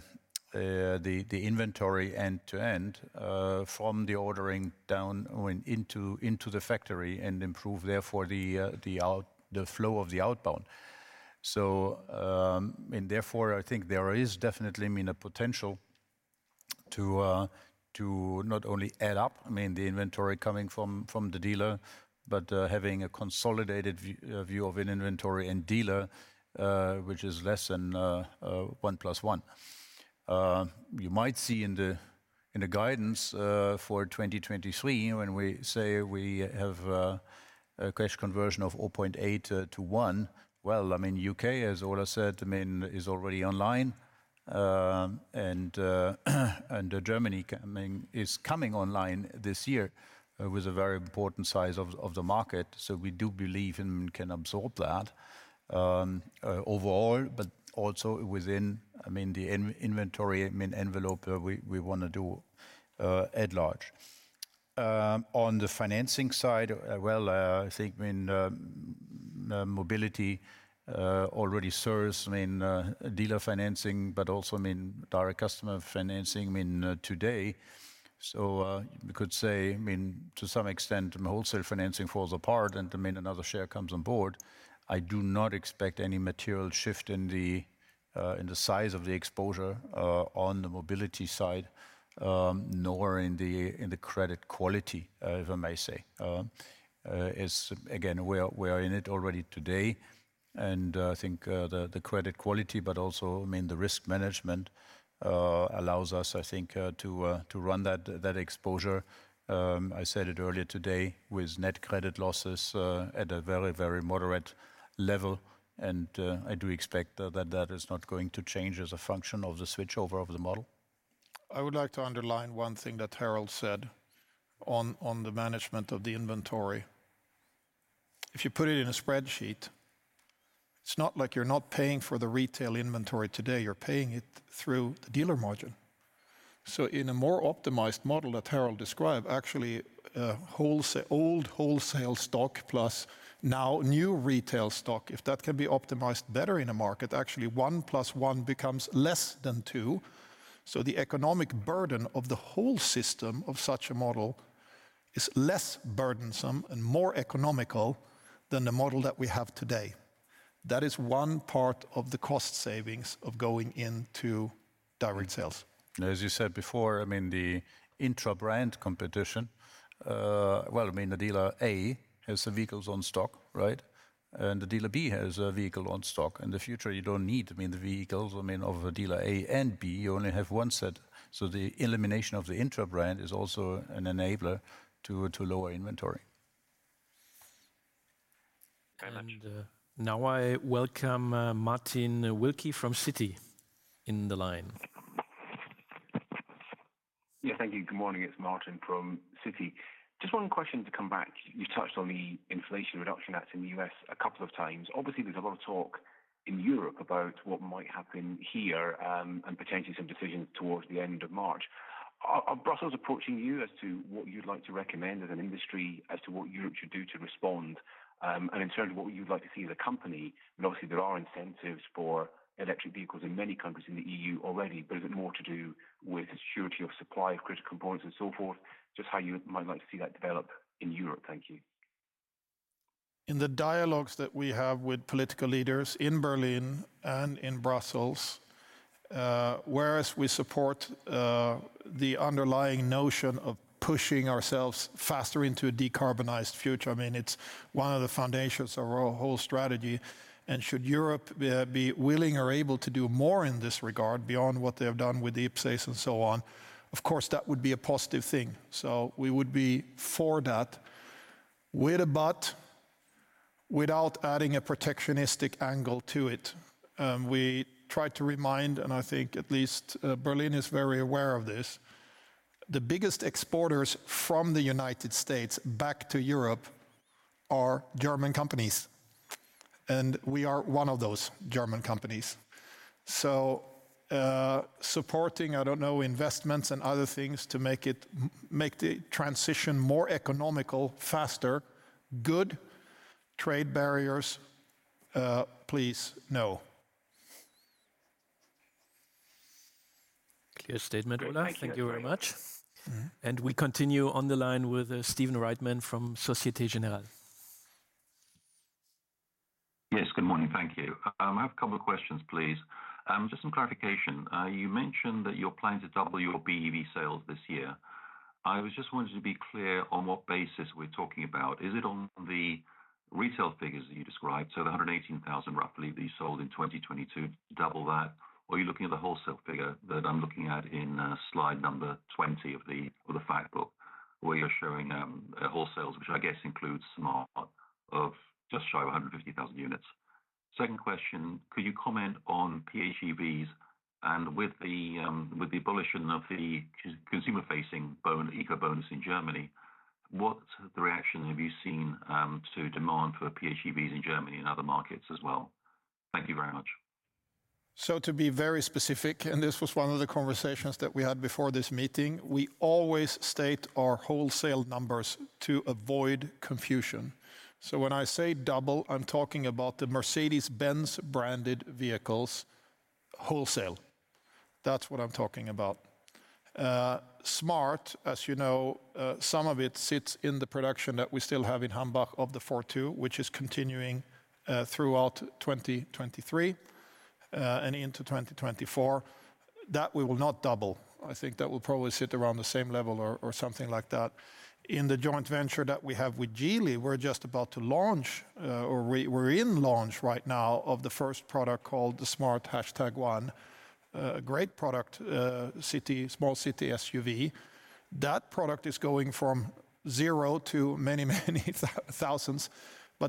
inventory end-to-end, from the ordering down when into the factory and improve therefore the flow of the outbound. Therefore, I think there is definitely, I mean, a potential to not only add up, I mean, the inventory coming from the dealer, but having a consolidated view of an inventory and dealer, which is less than one plus one. You might see in the guidance for 2023 when we say we have a cash conversion of 0.8-1. U.K., as Ola said, is already online. Germany coming online this year with a very important size of the market. We do believe and can absorb that overall, but also within the in-inventory envelope we want to do at large. On the financing side, I think when Mercedes-Benz Mobility already serves dealer financing, but also direct customer financing today. We could say to some extent wholesale financing falls apart and another share comes on board. I do not expect any material shift in the in the size of the exposure on the Mobility side, nor in the in the credit quality, if I may say. It's again, we are in it already today, and I think the credit quality, but also, I mean, the risk management, allows us, I think, to run that exposure. I said it earlier today with net credit losses at a very, very moderate level, and I do expect that that is not going to change as a function of the switchover of the model. I would like to underline one thing that Harald said on the management of the inventory. If you put it in a spreadsheet, it's not like you're not paying for the retail inventory today. You're paying it through the dealer margin. In a more optimized model that Harald described, actually, wholesale old wholesale stock plus now new retail stock, if that can be optimized better in a market, actually one plus one becomes less than two. The economic burden of the whole system of such a model is less burdensome and more economical than the model that we have today. That is one part of the cost savings of going into direct sales. As you said before, I mean, the intra-brand competition, well, I mean, the dealer A has the vehicles on stock, right? The dealer B has a vehicle on stock. In the future, you don't need, I mean, the vehicles, I mean, of a dealer A and B. You only have one set. The elimination of the intra-brand is also an enabler to lower inventory. Now I welcome Martin Wilkie from Citi in the line. Yeah. Thank you. Good morning. It's Martin from Citi. Just one question to come back. You touched on the Inflation Reduction Act in the U.S. a couple of times. Obviously, there's a lot of talk in Europe about what might happen here, and potentially some decisions towards the end of March. Are Brussels approaching you as to what you'd like to recommend as an industry as to what Europe should do to respond? And in terms of what you'd like to see as a company, and obviously there are incentives for electric vehicles in many countries in the E.U. already, but is it more to do with security of supply of critical components and so forth? Just how you might like to see that develop in Europe. Thank you. In the dialogues that we have with political leaders in Berlin and in Brussels, whereas we support the underlying notion of pushing ourselves faster into a decarbonized future, I mean, it's one of the foundations of our whole strategy, and should Europe be willing or able to do more in this regard beyond what they have done with the IPCEI and so on, of course, that would be a positive thing. We would be for that with a but, without adding a protectionistic angle to it. We try to remind, and I think at least, Berlin is very aware of this, the biggest exporters from the United States back to Europe are German companies, and we are one of those German companies. Supporting, I don't know, investments and other things to make the transition more economical, faster, good. Trade barriers, please no. Clear statement, Ola. Thank you. Thank you very much. Mm-hmm. We continue on the line with Stephen Reitman from Société Générale. Yes. Good morning. Thank you. I have a couple of questions, please. Just some clarification. You mentioned that you're planning to double your BEV sales this year. I was just wanting to be clear on what basis we're talking about. Is it on the resale figures that you described, so the 118,000 roughly that you sold in 2022, double that? Or are you looking at the wholesale figure that I'm looking at in slide number 20 of the fact book, where you're showing wholesales, which I guess includes Smart of just shy of 150,000 units. Second question, could you comment on PHEVs and with the abolition of the consumer-facing BAFA-Bonus, eco bonus in Germany, what reaction have you seen to demand for PHEVs in Germany and other markets as well? Thank you very much. To be very specific, and this was one of the conversations that we had before this meeting, we always state our wholesale numbers to avoid confusion. When I say double, I'm talking about the Mercedes-Benz branded vehicles wholesale. That's what I'm talking about. Smart, as you know, some of it sits in the production that we still have in Hambach of the fortwo, which is continuing throughout 2023 and into 2024. That we will not double. I think that will probably sit around the same level or something like that. In the joint venture that we have with Geely, we're just about to launch, or we're in launch right now of the first product called the smart #1. Great product, small city SUV. That product is going from zero to many thousands.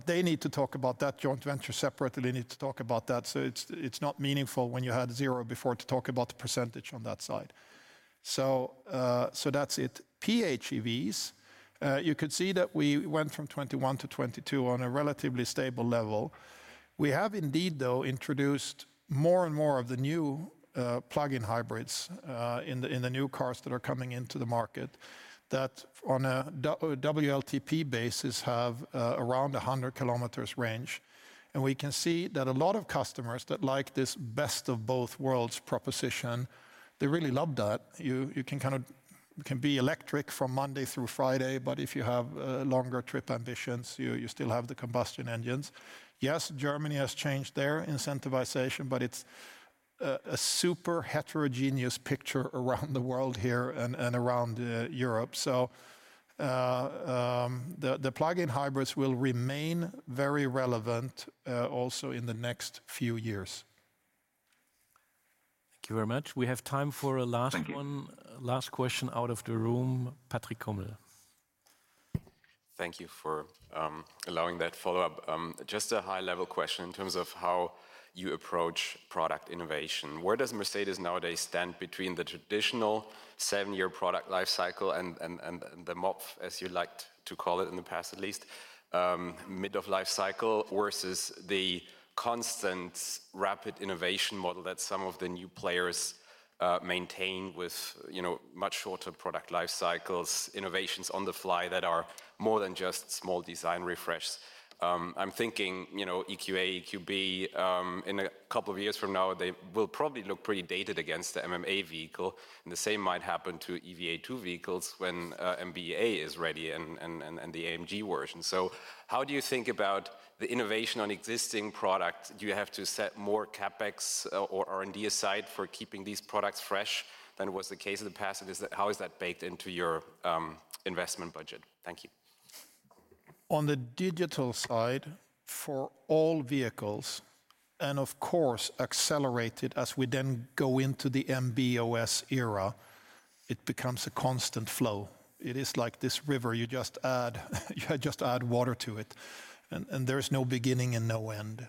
They need to talk about that joint venture separately. They need to talk about that. It's not meaningful when you had zero before to talk about the percentage on that side. That's it. PHEVs, you could see that we went from '21-'22 on a relatively stable level. We have indeed, though, introduced more and more of the new plug-in hybrids in the new cars that are coming into the market, that on a WLTP basis have around 100 km range. We can see that a lot of customers that like this best of both worlds proposition, they really love that. You can kind of... can be electric from Monday through Friday, but if you have longer trip ambitions, you still have the combustion engines. Yes, Germany has changed their incentivization, but it's a super heterogeneous picture around the world here and around Europe. The plug-in hybrids will remain very relevant also in the next few years. Thank you very much. We have time for a last one- Thank you. Last question out of the room, Patrick Hummel. Thank you for allowing that follow-up. Just a high-level question in terms of how you approach product innovation. Where does Mercedes nowadays stand between the traditional seven-year product life cycle and the MOP, as you liked to call it in the past at least, mid of life cycle versus the constant rapid innovation model that some of the new players maintain with, you know, much shorter product life cycles, innovations on the fly that are more than just small design refresh? I'm thinking, you know, EQA, EQB, in a couple of years from now, they will probably look pretty dated against the MMA vehicle, and the same might happen to EVA2 vehicles when MB.EA is ready and the AMG version. How do you think about the innovation on existing products? Do you have to set more CapEx or R&D aside for keeping these products fresh than was the case in the past? How is that baked into your investment budget? Thank you. On the digital side, for all vehicles, and of course, accelerated as we then go into the MB.OS era, it becomes a constant flow. It is like this river. You just add water to it, and there's no beginning and no end.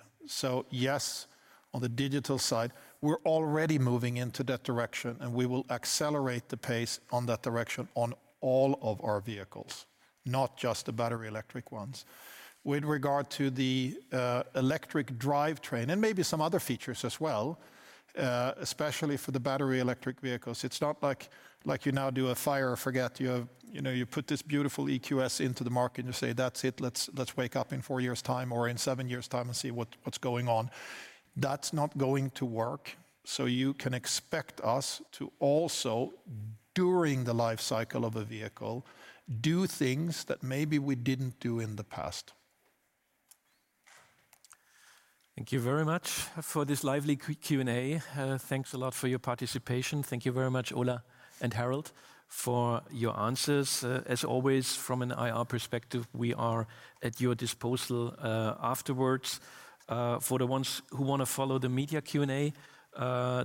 Yes, on the digital side, we're already moving into that direction, and we will accelerate the pace on that direction on all of our vehicles, not just the battery electric ones. With regard to the electric drivetrain, and maybe some other features as well, especially for the battery electric vehicles, it's not like you now do a fire and forget. You know, you put this beautiful EQS into the market and you say, "That's it. Let's wake up in four years' time or in seven years' time and see what's going on." That's not going to work. You can expect us to also, during the life cycle of a vehicle, do things that maybe we didn't do in the past. Thank you very much for this lively Q&A. Thanks a lot for your participation. Thank you very much, Ola and Harald, for your answers. As always, from an IR perspective, we are at your disposal afterwards. For the ones who wanna follow the media Q&A,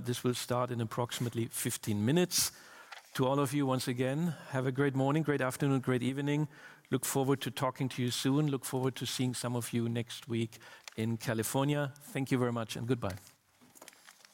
this will start in approximately 15 minutes. To all of you once again, have a great morning, great afternoon, great evening. Look forward to talking to you soon. Look forward to seeing some of you next week in California. Thank you very much and goodbye.